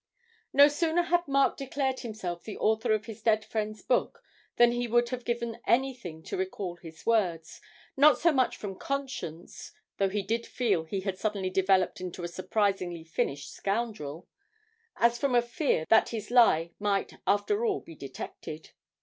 No sooner had Mark declared himself the author of his dead friend's book than he would have given anything to recall his words, not so much from conscience (though he did feel he had suddenly developed into a surprisingly finished scoundrel), as from a fear that his lie might after all be detected.